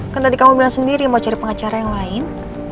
kan tadi kamu bilang sendiri mau cari pengacara yang lain